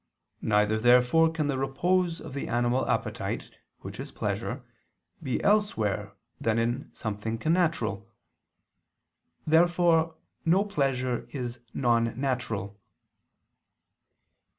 Neither, therefore, can the repose of the animal appetite, which is pleasure, be elsewhere than in something connatural. Therefore no pleasure is non natural.